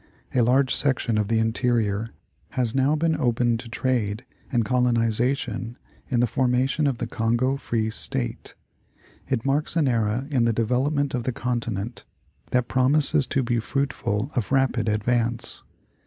A large section of the interior has now been opened to trade and colonization in the formation of the " Congo free State." It marks an era in the development of the continent that promises to be fruitful of rapid advance.